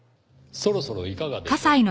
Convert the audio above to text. そろそろいかがでしょう？